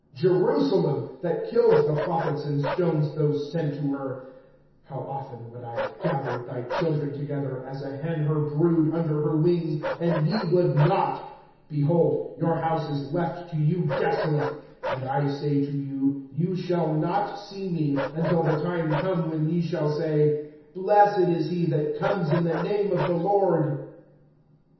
Jerusalem! that kills the prophets, and stones those sent to her; how often would I have gathered thy children together, as a hen her brood under her wings, and ye would not! (35)Behold, your house is left to you desolate. And I say to you: Ye shall not see me, until the time come when ye shall say, Blessed is he that comes in the name of the Lord.